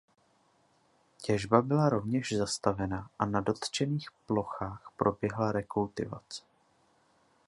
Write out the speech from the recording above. Těžba byla rovněž zastavena a na dotčených plochách proběhla rekultivace.